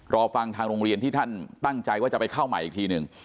รอฟังทางโรงเรียนที่ท่านตั้งใจว่าจะไปเข้าใหม่อีกทีหนึ่ง